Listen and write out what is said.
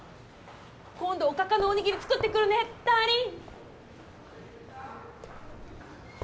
今度おかかのお握り作ってくるねダーリン！